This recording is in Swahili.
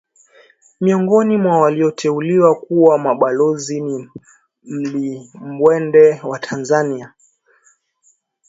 Miongoni mwa walioteuliwa kuwa mabalozi ni mlimbwende wa Tanzania